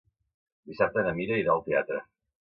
Dissabte na Mira irà al teatre.